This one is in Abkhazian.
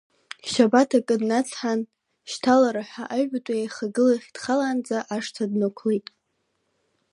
Шьабаҭ акы днацҳан, шьҭалараҳәа аҩбатәи аихагылахь дхалаанӡа ашҭа днықәлеит.